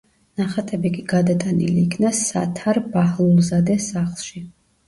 ნახატები კი გადატანილი იქნა სათარ ბაჰლულზადეს სახლში.